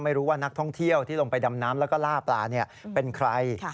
ไม่รู้ว่านักท่องเที่ยวที่ลงไปดำน้ำแล้วก็ล่าปลาเป็นใคร